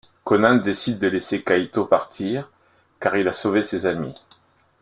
Conan décide de laisser Kaito partir car il a sauvé ses amis.